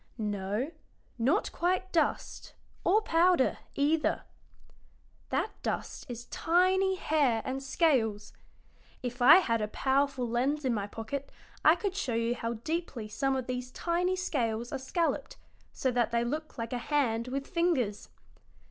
"No, not quite dust, or powder, either. That dust is tiny hair and scales. If I had a powerful lens in my pocket I could show you how deeply some of these tiny scales are scalloped, so that they look like a hand with fingers.